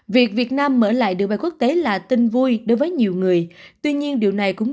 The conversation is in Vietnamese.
việc việt nam mở lại đường bay quốc tế là tin vui đối với nhiều người tuy nhiên điều này cũng